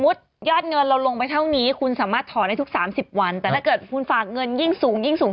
อึกอึกอึกอึกอึกอึกอึกอึก